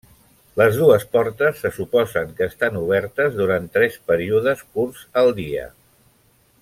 Les dues portes se suposen que estan obertes durant tres períodes curts al dia.